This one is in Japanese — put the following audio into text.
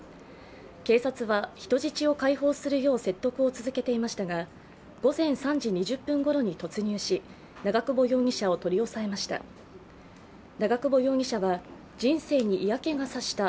警察は、人質を解放するよう説得を続けていましたが、午前３時２０分ごろに突入し長久保容疑者を取り押さえました。